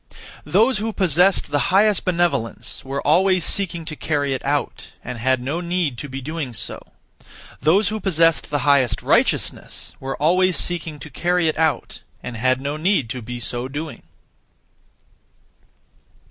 (Those who) possessed the highest benevolence were (always seeking) to carry it out, and had no need to be doing so. (Those who) possessed the highest righteousness were (always seeking) to carry it out, and had need to be so doing.